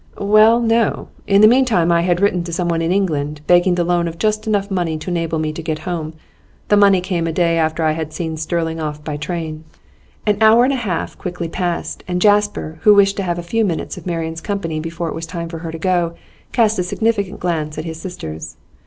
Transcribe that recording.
'Well, no. In the meantime I had written to someone in England, begging the loan of just enough money to enable me to get home. The money came a day after I had seen Sterling off by train.' An hour and a half quickly passed, and Jasper, who wished to have a few minutes of Marian's company before it was time for her to go, cast a significant glance at his sisters.